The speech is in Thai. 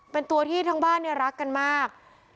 เป็นตัวที่ทั้งบ้านเนี่ยรักกันมาก